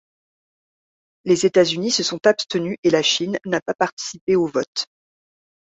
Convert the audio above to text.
Les États-Unis se sont abstenus et la Chine n'a pas participé au vote.